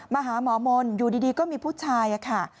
มาหาหมอมนต์อยู่ดีก็มีผู้ชายค่ะ